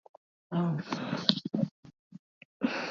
indi cha siasa cha kampeni kama hii baada ya hapo wanatuweka pembeni